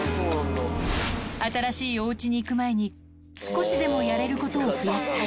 新しいおうちに行く前に少しでもやれることを増やしたい。